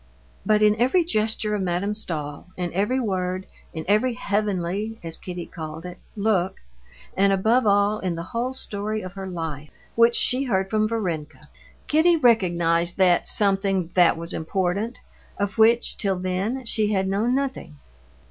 But in every gesture of Madame Stahl, in every word, in every heavenly—as Kitty called it—look, and above all in the whole story of her life, which she heard from Varenka, Kitty recognized that something "that was important," of which, till then, she had known nothing.